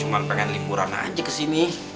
pengen pengen ke sini